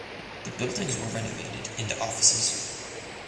The buildings were renovated into offices.